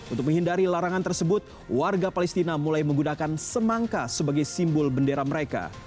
untuk menghindari larangan tersebut warga palestina mulai menggunakan semangka sebagai simbol bendera mereka